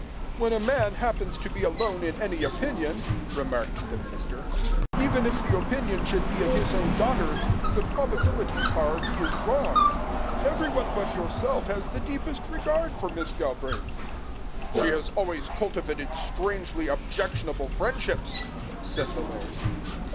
"When a man happens to be alone in any opinion," remarked the minister, "even if the opinion should be of his own daughter, the probabilities are he is wrong. Every one but yourself has the deepest regard for Miss Galbraith." "She has always cultivated strangely objectionable friendships," said the laird.